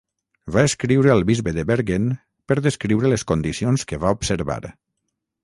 Va escriure al bisbe de Bergen per descriure les condicions que va observar.